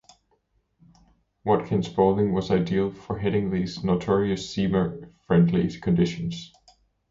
Watkin's bowling was ideal for Headingley's notorious seamer friendly conditions.